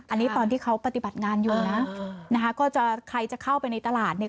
อันนี้ตอนที่เขาปฏิบัติงานอยู่นะนะคะก็จะใครจะเข้าไปในตลาดเนี่ย